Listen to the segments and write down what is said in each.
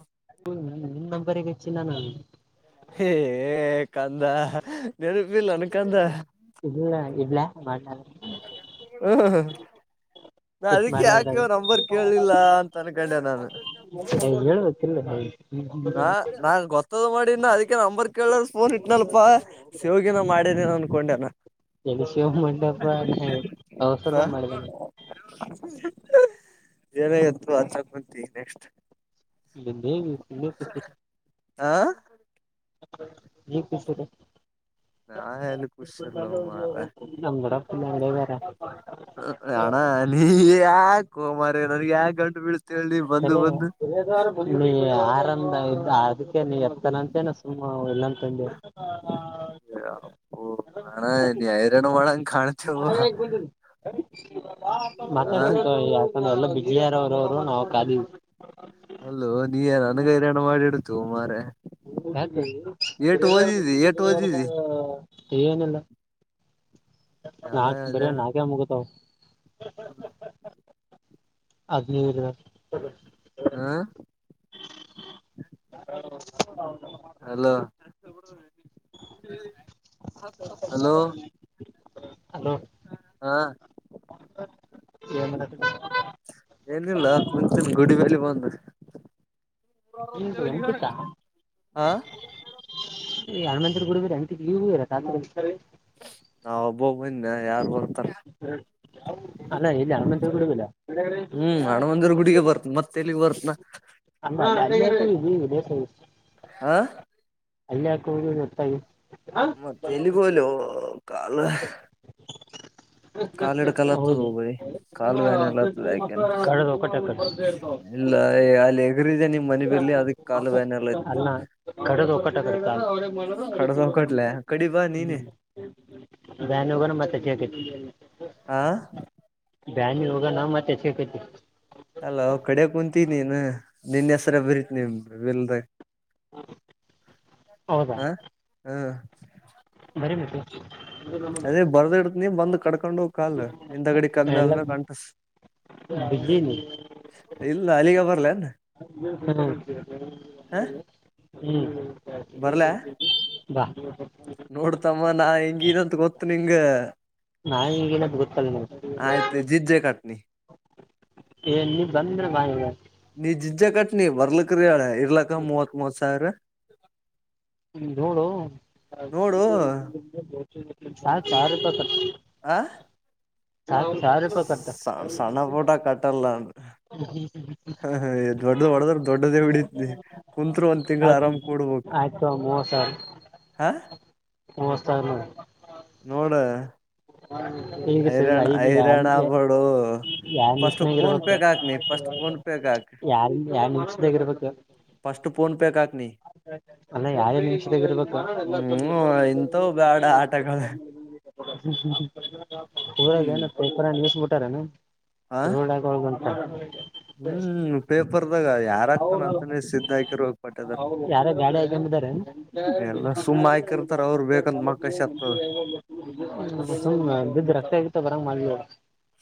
[unintelligible] ಹೇ ಕಂದ ನೆನಪಿಲ್ಲನ ಕಂದ ಇಲ್ಲ ಇಡ್ಲ್ಯಾ ಮಾಡ್ಲ್ಯಾ ಹ್ಮ ನಾ ಅದಕ್ಕೆ ಯಾಕೆ ನಂಬರ್ ಕೇಳಿಲ್ಲ ಅಂತ [unintelligible] ಅನ್ಕೊಂಡೆ ನಾನು [unintelligible] ನಾ ನಾನ್ ಗೊತ್ತದ ಮಾಡೀನಾ ಅದಿ ನಂಬರ್ ಕೇಳೀರ್ ಫೋನ್ ಇಟ್ಟ್ನಲ್ಪಾ ಶಿವಯೋಗಿನ ಮಾಡ್ಯನೇನ ಅನ್ಕೊಂಡೆ ಎಲ್ಲಿ ಶಿವ ಮಂಟಪ ಅವಸರದ ಮಾಡಿದಾನೆ [unintelligible] [unintelligible] [unintelligible] ಆ [unintelligible] ನಾ ಎಲ್ಲಿ ಖುಷ್ ಇರ್ಲೋ ಮಾರಾಯ ನಮ್ ದೊಡ್ಡಪ್ಪನ ಅಂಗಡಿಗಾರ ಅಣ ನೀ ಯಾಕೋ ಮಾರಾಯ ನನಗೆ ಯಾಕ್ ಕರೆ ನೀ ಯಾರ [unintelligible] ನೀ ಎತ್ತನ ಅಂತೇನ ಸುಮ್ಮ್ ಇಲ್ಲಂತಂದ್ಯಾ [unintelligible] [unintelligible] ಮಾತಾಡ್ತತನ್ ತುಗೋ ಯಾಕಂದ್ರ ಎಲ್ಲ ಬಿಜಿ ಯಾರ ಅಲ್ಲೂ ನೀ ನನಗ ಹೈರಾಣ ಮಾಡಿಡ್ತೀಯೋ ಮಾರಾಯ [unintelligible] ಏಟು ಓದಿದಿ ಏಟು ಓದಿದಿ ಏನಿಲ್ಲ ಎಲ್ಲ ನಾಕ್ ಬರೆ ಅದೇಣ ನಾಕೆ ಮುಗದಾವು [inaudible] ಅಗ್ನಿ ವೀರ ಹಾ ಹ ಹಲೋ ಹಲೋ ಅಲೋ ಹಾ [inaudible] ಏನಿಲ್ಲ ಕುಂಚಿನ ಗುಡಿ ಮೇಲೆ ಬಂದು ಈಗ ಹ ಅರಮತ್ರ ಗುಡ ಬರ ಅಂಗಟವೂ ಇರ ನಾವ ಒಬ್ಬೊ ಒಬ್ಬಂದೆ ಯಾರ್ ಹೊ ಅಲ್ಲ ಎಲ್ಲಿ ಅರ ಕೊಡಲ್ಲ ಹ್ಮ್ ಹಣಮಂದಿರ ಗುಡಿಗೆ ಬರ್ತನ ಮತ್ತೆ [unintelligible] ದೇಶಷ್ಟ ಹ ಅಲ್ಲ ಹಾಕ ಹುದು ಗೊತ್ತಾಗಿ ಮತ್ತೆೇಲ್ಲಿಗಲ ಕಾಲ ಕಾಾಲಡ್ ಕಾಲ ಆತದ ಹೌದು ಬರಿ ಕಾಲು ವ್ಯಾನ ಎಲ್ಲ ಆತದೆ ಯಾಕೆನು ಕಡದ ಒಕ್ಕಟ ಎಲ್ಲ ಅಲ್ಲಿ ಎಗ್ರಿದೆ ನಿ ಅಲ್ಲ ಕಡೆದು ಒಟ್ಟ ಕ ಕಡ್ದೋಗಟ್ಲೆ ಕಡಿ ಬಾ ನೀನೆ ಹ್ಮ್ ಬ್ಯಾ ಹೋಗಣ ಮತ್ತೆ ಚಕ ಹಾ ಬ್ಯಾನಿ ಹೋಗ ನಾ್ ಮತ್ತೆೈತಿ ತ್ತ ನೀನು ನಿನ್ನ ಹೆಸರ ಬರೀತಿ ನಿಮ ಬೆಲ್ದ ಹೌದಾ ಹ ಹ ಬರೀ ಅದೇ ಮತ್ತೆ ಬರ್ದ ಇತ ನೀ ಬಂದ್ ಕಡ್ಕೊಂಡ ಹೋಗ್ ಕಾಲ್ ಇಿಂದ ಗಡ ಕದ್ಮಿ ಆದ್ಮೇ ಕಂಟಸ ಬಿಜಲಿ ಇಲ್ಲ ಅಲ್ಲಿಗ ಬರ್ಲನ್ ಹ ನೀ ಹ ಬರ್ಲಾ ಹ್ಮ ಬ ನೋಡ್ತಮ್ಮ ನಾ ಹೆಂಗನಂತ ಗೊತ್ತು ನಿಂಗ ನಾನು ಈಗೇನದು ಗೊತ್ತಲ್ಲ ನನಗೆ ಆಯ್ತು ಜಿಜ್ಜೆ ಕಟ್ನಿ ಏ ನೀ ಬಂದ್ರೆ ಬಾಯಿ ನೀ ಜಿಜ್ಜ ಕಟ್ನಿ ಬರ್ಲಕ್ಕರಿಳ ಇರ್ಲಕ್ಕ ಮೂವತ್ ಮೂವತ್ ಸಾವಿರ ಹ್ಮ ನೋಡು ನೋಡು ಸ ರಪ ಆಂ ರೂಪಾಯಿ ಕಟ್ಟು ಸ ಸಣ್ಣ ಪೋಟಾ ಕಟ್ಟಡಲ್ಲ ಹ ದೊಡ್ಡ್ದ ಹೊಡದ್ರ ದೊಡ್ಡದೇ ಬಿಡಿದ ಕುಂತ್ರು ಒಂದ್ ತಿಂಗ್ಳ ಆರಾಮ್ ಕ ಕೊಡ್ಬಕ್ ಇ ಮೂೋವ ಸಲ್ ಮೂೋವಾಲ ನೋಡು ಈಗ ಸರಿ ಹೈರಾಣ ಐದು ಹೈರಾಣ ಅಲ್ಲಿ ಆಗ್ಬಡು ಯಾರ್ ಫಸ್ಟ್ ನಿಮಿಷನಾಗ ಫೋನ್ ಇರ್ಬೇಕು ಪೇಗೆ ಹಾಕ್ ನೀ ಫಸ್ಟ್ ಫೋನ್ ಪೇಗೆ ಹಾಕ ಯಾರ ಯಾರ್ ನಿಮಿಷದಾಗ ಇರ್ಬೇಕು ಫಸ್ಟ್ ಫೋನ್ ಪೇ ಕಕ ಅಲ್ಲ ಯಾರ ವೀಕ್ಷ ಇರ್ಬೇಕು ಹ್ಮ್ ಇಂಥವು ಬ್ಯಾಡ ಆಟಗಳ ಪಊರಾಗ ಹ್ಮ್ ಏನಪ್ಪಪರ ನಿಸ್ಬಿಟ್ಟಾರೇನು ಹ ರೋಡ್ ಆಗೋಗಂತ ಹಾ ಹ್ಮ್ ಪೇಪರ್ದಾಗ ಯಾರ ಆಗ್ತಾನ ಅತಾನೇ ಸಿದ್ಧ ಆಯಕರು ಹೋಗ್ಪಟ್ಟ ಯಾರ ಗಾಳಿ ಹಕಂಬಿದ್ದಾರೆ ಎಲ್ಲಾ ಸುಮ್ಮ್ ಹಾಕಿರ್ತಾರ ಅವ್ರು ಬೇಕಂತ ಮಕ್ಕಶ ಆಗ್ತದ ಬಿದ್ದ ರಕ್ಕತ ಆಗಿತ್ತ ಬರಂಗ ಮಾಡ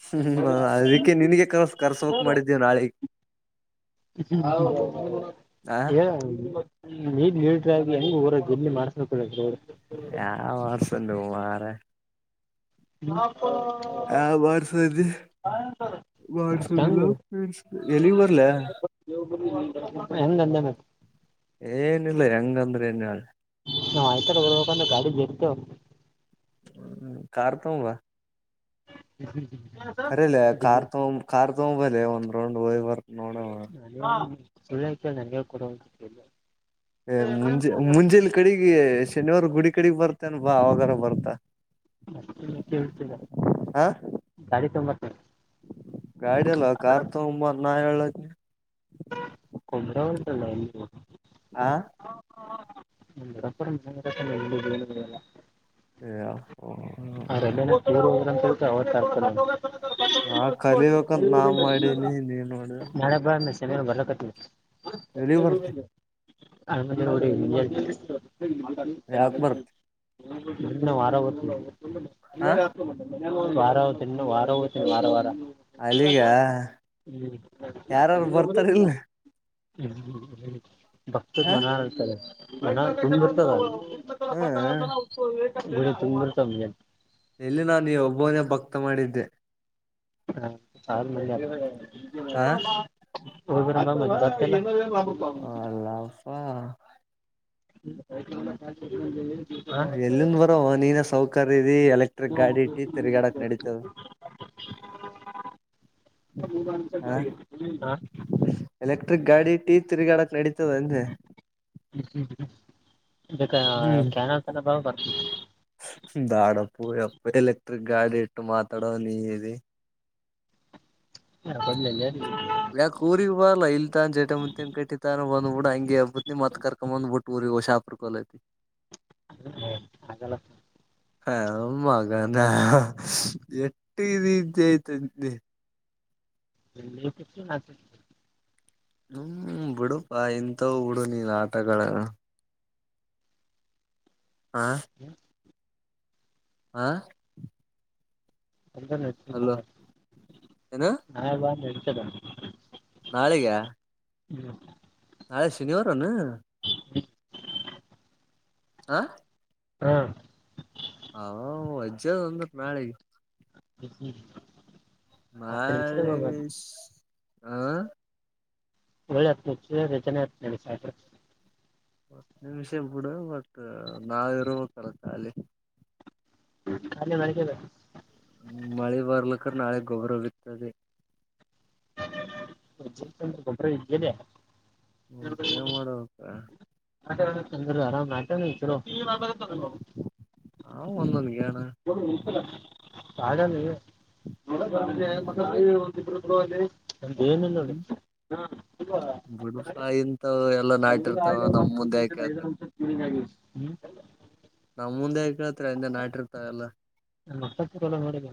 ಹ್ಮ ಅದಕ್ಕೆ ನಿನಗೆ ಕರ್ಸ ಕರ್ಸಕ್ ಮಾಡಿದ್ದೇವ ನಾಳಿ ಹ ನೀನ್ ನೀರ ಹೆಂಗ ಊರ ಎಲ್ಲಿ ಮಾಡ್ಬೇಕು ಹೇಳ ನೋಡ್ ಯಾವ ವರ್ಸ ನೀ ಮಾರ ಹಾ ಹಾ ಬಸಿ ಬಸುದ ಎಲ್ಲಿಗ್ ಬ ಹೆಂದನ ಏನಿಲ್ಲ ಹೆಂಗಂದ್ರೆ ಏನ್ ಹೇಳ ನಾವ್ ಆಯ್ತಡೆ ಹದಬೇಕಂದ್ರೆ ಗಾಡಿ ಎರ್ತು ಹ್ಮ ಕಾರ ತಂಬಾ ಹ್ಮ ಹ್ಮ್ ಕಖರಿಲೆ ಕಾರ್ ತೊ ಕಾರ್ ತಗಬಲೆ ಒಂದ್ ರೌಂಡ್ ಹಯ್ ಬರ್ ನೋಡವ ಸುಳ್ಳಕ ನನ್ಗೆ ಕೊಡುವಲ್ಲ ಮುಂಜೆ ಮುಂಜೇಲಿ ಕಡೆಗೆ ಶನಿವಾರ ಗುಡಿ ಕಡೆಗ್ ಬರ್ತನ್ ಬಾ ಅವಾಗಾರ ಬರ್ತಾ ಮಳ್ತರ ಹ ಗಡಿ ತೊಂಬತ್ತ ಗಾಡಿ ಅಲ್ವಾ ಕಾರ್ ತಗಂಬ ನಾ ಹೇಳಕ್ಕೆ ಕೊ ಆಾ ನಮ್ ದೊಡ್ಡಪಾ ನನ್ ಹೇಳ್ಲಿದು ಏನು ನಡಿಯಲ್ಲ. ಅಯ್ಯೋ ನಾ ಕಲಿಬೇಕಂತ ನಾ ಮಾಡೀನಿ ನೀನ್ ನೋಡ ನಳೆಬ ಮ ಚನು ಬರ ಕಟ್ಟ ಎಲ್ಲಿ ಬರ್ತೆೆ ಅಮ ಯಾಕ್ ಬರ್ತೆ ನ ವಾರಾಗ ಹ ವಾರ ಹೋಗ್ತನ್ ವಾರ ಹೋಗ್ತನಿ ವಾರ ವಾರ ಅಲ್ಲಿಗ ಹು ಬರ್ತಾರ್ ಇಲ್ಲ. ಹ್ಮ್ ಹ್ಮ್್ಮ ಭಕ್ತದ ಹ ಮನರ್ತದೆ ಮನ ತುಂಬ ಇರ್ತದ ಅವ ಹ ಉತ ಎಲ್ಲಿ ನಾನು ಈ ಒಬ್ಬನೇ ಭಕ್ತ ಮಾಡಿದ್ದೆ ಹಾ ಸ ಹ ಮ ನ ಮ ಅಲ್ಲಪ್ಪಾ ಹಾ ಹಾ ಎಲ್ಲಿಂದ ಬರೋ ನೀನ ಸೌಕರ್ಯ ಎಲೆಕ್ಟ್ರಿಕ್ ಗಾಡಿ ಇಟ್ಟಿ ತಿರ್ಗಾಡಕ್ ನಡೀತದ ಹಾ ಹಾ ಹಾ? ಎಲೆಕ್ಟ್ರಿಕ್ ಗಾಡಿ ಟೀ ತಿರುಗಾಡಕ್ ನಡತ ಒಂದೆ ಹ್ಮ ಹ ಹ್ಮ ಹ್ಮ್ ಇ ಕನತನ ಭಾವ ಬತ ಬ್ಯಾಡಪ್ಪೋ ಯಪ್ಪ ಎಲೆಕ್ಟ್ರಿಕ್ ಗಾಡಿ ಇಟ್ಟು ಮಾತಾಡೋ ನೀ ಇಿ ಹಾ ಕೊಡ್ಲ ಯ ಯಾಕ ಊರಿ ಬ ಅಲ್ಲ ಇಲ್ತಾನ ಜಟ ಮುಂತನ್ ಕಟ್ಟಿತಾನ ಬಂದ್ಬ ಬಿಡ ಹಂಗಗೆ ಹಬ್ಬತ್ನ ಮತ್ ಕರ್ಕೊ ಬಂದ್ ಬಿಟ್ಟ ಊ ಓಷಾ ಪ್ರಕಲತಿ ಹ ಹಾಗಗಲ್ಲ ಹ ಮಗಾನ ಎಟ್ಟ ರ್ದಯ್ತೆ... ಆತ [inaudible] ಹ್ಮ್ ಬಿುಡುಪಾ ಎಂತ ಉುಡು ನೀಲ್ಲ ಆಟಗಳಲ್ಲ... ಹಾ [inaudible] ಆಾ [inaudible] ಎಂತ ನಡ್ತ ನ ನ ಬಾ ನಡ್ತದ [inaudible] ನಾಳಿಗೆ. ಹ್ಮ [inaudible] ನಾಳೆ ಶನಿವಾರನು. ಹ [inaudible] ಆ [inaudible] ಹಾ [inaudible] ಹಾ ಅಜ್ಜದ ಒಂದತ್ ನಾಳೆಗೆ... ಎ [inaudible] ಮಾಡಳ ಹ [inaudible] ಒಳ್ಳೆ ಹತ್ ರಚನೆ ಆತ್ಡಿ ಸಾವಕರ... ನಿಮಿಷ ಬಿೂಡ ಬಟ್ ನಾವ ಇರ್ಬೇಕಲ್ಲ ಖಾಲಿ... ಅಲ್ಲಿ ಬೆಳಗ್ಗೆ. ಮಳೆ ಬರ್ಲಕ್ಕ ನಾಳೆ ಗೊಬ್ಬರ ಬಿರ್ತದೆ... ಗೊಬ್ಬರ.. [unintelligible] ಮತ್ತ ಏನ್ ಮಾಡಬೇಕಕ್ಕ... ಆ ತಂದ ಆರಾಮ ನಟ.... ಆ ಒಂದೊಂದ್ ಗೇಣ [inaudible] ಚೆ [inaudible] ನ ಏನು ನೋಡಿ ಹ್ಮ್ ಹ ಬಿಡುಪಾ ಇಂತವು ಎಲ್ಲಾ ನಾಟಿರ್ತಾವ ನಮ್ ಮುಂದೆ ಯಾಕ್ ಕೇಳ್ತಾರ [inaudible] ಸ ತಿರಿ [inaudible] ನಮ್ ಮುಂದೆ ಕೇಳ್ತರಿ ಹಿಂದೆ ನಾಟಿರ್ತಲ್ಲ... ನತ್ತತ್ತಲ್ಲ ಮಾಡೋದ್ದೇ...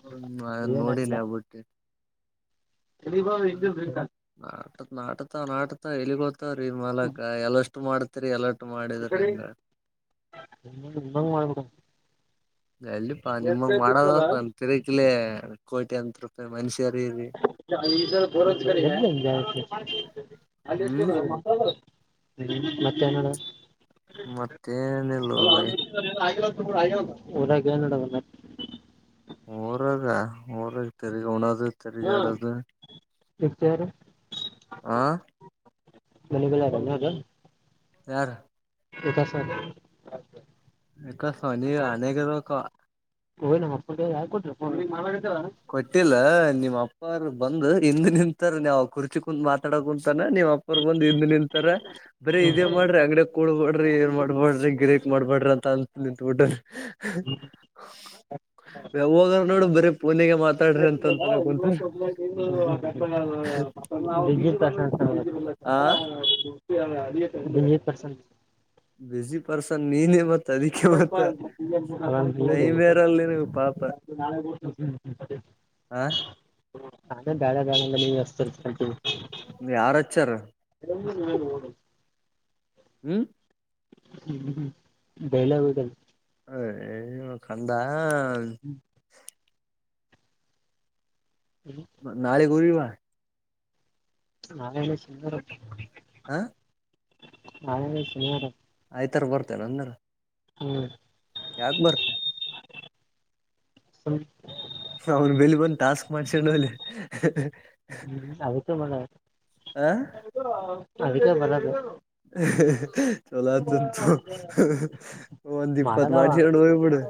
ಹ್ಮ ಹ್ಮ್ ನಾನ್ ಇ ಏನ್ ಹಕಿಲ್ಲ ನೋಡಿನಿ [inaudible] ಹ ನಾಟ ನಾಟತ ನಾಟತ ಎಲ್ಲಿಗೋತಾವ್ರೀ ಮಾಲಕ ಎಲ್ಲಷ್ಟು ಮಾಡತ... ಇಕಡಿ ಮಾಡ್ಬಿಡ. ಎಲ್ಲಿಪಾ ನಿಮಗ್ ಮಾಡದ ನ ತಿರಕಿಲ ಕೋಟಿ ಅಂತ್ ರೂಪಾಯಿ ಮನ್ಷ... ಸ ಬರ ಕ ಅ [inaudible] ಹ್ಮ್ ಮತ್ತೆ ನೋಡ ಮತ್ತೇನಿಲ್ಲೋ ಬೈ [inaudible] ಅಯ ದಏಡಲ್ಲ [inaudible] ಊರಾಗ ಊರಾಗ ತಿರುಗಿ ಉಣೋದು ತಿರುಗ ಆಡೋದು... ನಿಚಾರ.. ಆ [inaudible] ಮಲೆ ಕಲ್ಲ ಆರ ಹದ [inaudible] ಯಾರ. ಇಸ ಇಕ ಸನಿ ಅನೇಕದ ಓಯ್ ನಮ್ಮ ಅಪ್ಪ ಯಾ ಕೊಟ... ಕೊಟ್ಟಿಲ್ಲ ನಿಮ್ಮ್ ಅಪ್ಪಾರ ಬಂದು ಹಿಂದ್ ನಿಂತಾರೆ ನೀವು ಕುರ್ಚಿ ಕುತ್ ಮಾತಾಡ ಕುಂತಾನ ನಿಮ್ಮ್ ಅಪ್ಪರ್ ಬಂದ್ ಹಿಂದ್ ನಿಂತಾರ ಬರೀ ಇದೇ... ಮಾಡ್ರಿ ಅಂಗಡ ಕಡಡ್ಬಡ್ರಿ ಏನ್ ಮಾಡ್ಬಡ್ರಿ ಗಿರಿಕ್ ಮಾಡ್ಬಡ್ರಿ ಅಂತ ಅಂತ... ಟ ಹೋಗ ನೋಡು ಬರ ಪೋನ... [inaudible] ಆ ಅ [inaudible] ಬಿಸಿ ಪರ್ಸನ್ ನೀನ ಮತ್ತೆ... ಟೈಮ್ ಮತ್ತ ಇರಲ್ಲ ನಿನಗ ಪಾಪ [unintelligible] ಆ ಹ ಅದೇ ಬೇಳ ಬದಲ್ಲಿ ವವಸ್ಥತೀವಿ ಯಾರ ಹಚ್ಚಾರ ಎಲ್ಲರು ವರು ಹಡ ಹ್ಮ್ ಹ್ಮ್ಮ ಬೇಲೆ ಹಗ ಅಯ್ಯೋ ಕಂದ ನಾಳೆ ಗೂರಿವ ನಾವ ಸುಮಾರ ಹಾ ನಾಳೇನೇ ಶನಿವಾರ. ಆದಿತ್ಯವಾರ ಬರ್ತರ ಅಂದರ. ಹ್ಮ್. ಯಾಕ್ ಬರ್ತ್ [inaudible] ಅವ್ನ್ ಬೆಲ್ಲಿ ಬಂದ ಟಾಸ್ಕ್ ಮಾಡ್ಸೊಂಡ ಆ [unintelligible] ಅಲ್ಗೆ ಬರದು. ಚಲ ಆತ ಹ ಒಂದು ದೀಪತ್ ಮಾಡ ಮಾಡದವ ಶ ಆಡು ಹ ಪಡೆ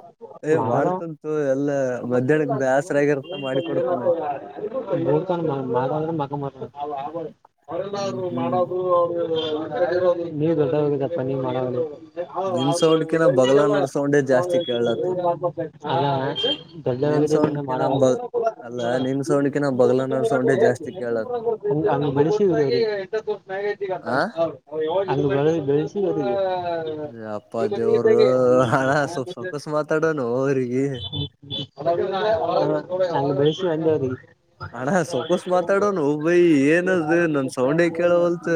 ಏ ಮಾಡದವ ಮಾಡ್ತನ್ ತೋ ಎಲ್ಲ ಮಧ್ಯಾಹ್ನಕ್ಕ್ ಬೇಸರಾಗಿರುತ್ತ ಮಾಡಿ ಕೊಡ್ತಾನೆ. [unintelligible] ನೀವ್ ಹ್ಮ್ ಹ್ಮ್ ದೊಡ್ಡವರಾಗಿದ್ದೀಯಪ್ಪ ನೀವ್ ಮಾಡಲ್ರು. ನಿನ್ ಸೌಂಡ್ಕಿನ ಬಗ್ಲ ನಡ್ ಸೌಂಡೇ ಜಾಸ್ತಿ ಕೇಳಲತ್ತದ [unintelligible] ನಿನ್ ಸೌಂಡ್ಕಿನ ಬ ಅಲ್ಲ ನಿನ್ ಸೌಂಡ್ಕಿನ ಬಗ್ಲನರ್ ಸೌಂಡೆ ಜಾಸ್ತಿ ಕೇಳತ್ [unintelligible] ಆ [unintelligible] ಅಪ್ಪ ದೇವರು ಹಣ ಸ್ವಲ್ಪ್ ಸೊಕಸ್ ಮಾತಾಡೋನು ಅವ್ರಿಗೆ [unintelligible] [unintelligible] ಅಣ ಸಾವ್ಕಾಸ್ ಮಾತಾಡೋನು ಬಯಿ ಏನದ ನನ್ ಸೌಂಡೆ ಕೇಳವಲ್ತ್.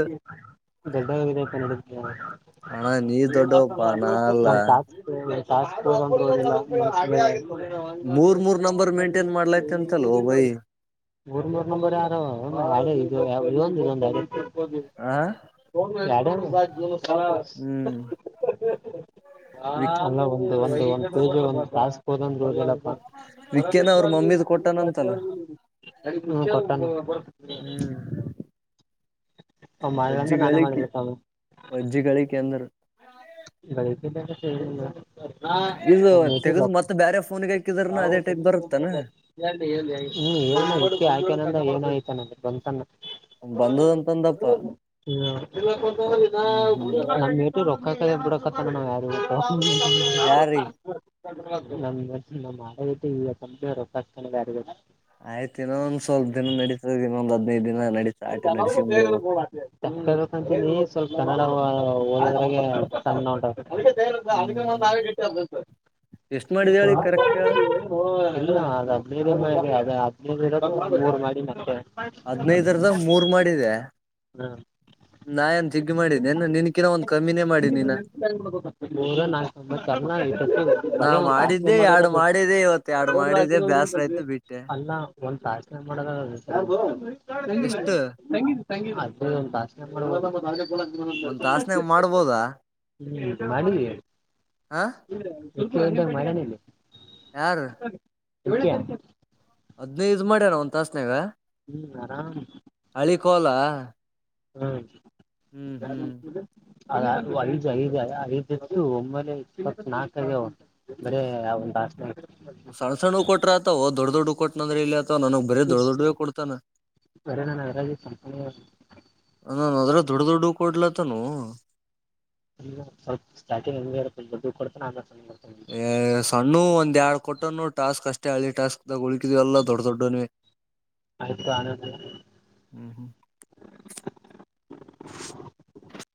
ಅಣ್ಣ ನೀ ದೊಡ್ಡವಪ್ಪಾ ನಾ [unintelligible] ಅಲ್ಲ [unintelligible] ಮೂರ್ ಮೂರ್ ನಂಬರ್ ಮೇಂಟೇನ್ ಮಾಡ್ಲೈತಿ ಅಂತಲ್ ಓ ಬೈ [unintelligible] [unintelligible] ಆ ಹ್ಮ್ [unintelligible] ವಿಕ್ ಅಲ್ಲ ಒಂದು ಒಂದು ಒಂದ್ ಪೇಜ್ ಒಂದ್ ಟಾಸ್ಕ್ ಹೋದಂಗ್ ವಿಕ್ಕೇನ ಅವ್ರ ಮಮ್ಮಿದ್ ಕೊಟ್ಟಾನಂತಲ್ಲ [unintelligible] [unintelligible] [unintelligible] [inaudible] ಅಂದ್ರೆ ನಾನೇ ವಜ್ಜಿಗಳಿಕಿ ಮಾಡ್ಬೇಕವ ವಜ್ಜಿಗಳಿಕಿ ಅಂದರ [unintelligible] ಇದು ತೆಗದ್ ಮತ್ತ್ ಬೇರೆ ಫೋನ್ [unintelligible] ಸ್ವಂತ ಬಂದದಂತಂದಪ್ಪ ಹ್ಮ್ ಹ್ಮ್ ನಾ [unintelligible] ಯಾರಿ [unintelligible] [unintelligible] ಆಯ್ತ್ ಇನ್ನೊಂದ್ ಸ್ವಲ್ಪ ದಿನ ನಡಿತದ್ ಇನ್ನೊಂದ್ ಹದ್ನೈದ್ ದಿನ್ [unintelligible] ಹ್ಮ್ [unintelligible] ಎಷ್ಟ್ ಮಾಡಿದ ಹೇಳಿ ಕರೆಕ್ಟ್ ಹೇಳ [unintelligible] ನೀವಿರೋದು ಮೂರ್ ಮಹಡಿ ಮತ್ತೆ. ಹದ್ನೈದರದಾಗ ಮೂರ್ ಮಾಡಿದೆ ನಾ ಏನ್ ಜಗ್ಗಿ ಮಾಡಿನಿ ಏನು ನಿನ್ಕಿನ ಒಂದ್ ಕಮ್ಮಿನೇ ಮಾಡಿನಿ ನಾ. ಮೂರು ನಾಲ್ಕು ಒಂಬತ್ತು ಅಲ್ಲ ಈ ಸರ್ತಿ ನಾ ಬರೀ ಒಂದು ತಾಸನ್ನೇ ಮಾಡಿದ್ದೆ ಮಾಡೋರು ಎರಡು ಅದು ಮಾಡಿದಿ ಇವತ್ತು ಎರಡು ಮಾಡಿದಿ ಬೇಸ್ರಾಯ್ತು ಬಿಟ್ಟೆ. ಒಂದ್ ತಾಸನ್ಯಾಗ ಎಷ್ಟು ಒಂದ್ ತಾಸನ್ಯಾಗ ಮಾಡ್ಬೋದಾ [unintelligible] [unintelligible] [unintelligible] ಹ ಪ್ರತಿಯೊಂದು ಮಾಡೇನಿಲ್ಲಿ. ಯಾರ್ ತಗೋಳ್ತೀಯಾ. ಹದ್ನೈದ್ ಮಾಡ್ಯಾರ ಒಂದ್ ತಾಸನ್ಯಾಗ. ಹ್ಮ್ ಆರಾಮ ಹಳಿ ಕೋಲ ಹ್ಮ್ ಹ್ಮ್ ಯ ಹ್ಮ್ [unintelligible] ಅ ಐದು್ ಐದು ಐದತ್ತುು ಒಮ್ಮ ಇಪ್ಪತ್ ನಾಲ್ಕ ಉಂಟು ಬರ ಒಂದು ಆಾಸ [unintelligible] ಸಣ ಸಣ್ಣ ಕೊಟ್ರಾ ಆತವೂ ದೊಡ್ಡ ದೊಡ್ಡ ಕೊಟ್ಟನಂದ್ರ ಎಲ್ಲಿ ಆತವು ಅರ ನಾನ ಎರಾಜ ಕಂಪನಿ [unintelligible] ನನ್ನದರಗ ದೊಡ್ಡ ದೊಡ್ಡು ಕೊಡ್ಲತನೊ ಹಲ್ಲ ಸ್ವಲ್ಪ ಸ್ಟಾಟಿಂಗ್ ಅಂಗೆ ಇರತದ ದೂಡ್ಡವು ಕೊಡ್ತಾನ ಆಮಲೆ ಏ ಸಣ್ಣುವು ಒಂದ್ ಎಡ್ ಕೊಟ್ಟನು ಟಾಸ್ಕ್ ಅಷ್ಟೇ ಹಳಿ ಟಾಸ್ಕ್ ದ ಉಳಿಕಿದುವೆಲ್ಲ ದೂಡ್ಡ ದೊಡ್ಡ ನೆ ಆಯ್ತು ಆಮೇಲೆ ಹ್ಮ್ ಹ್ಮ್